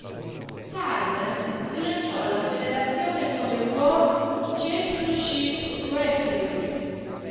Turner rilanciò la federazione come "World Championship Wrestling".